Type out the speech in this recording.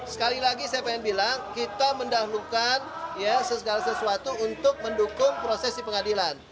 sekali lagi saya ingin bilang kita mendahulukan segala sesuatu untuk mendukung proses di pengadilan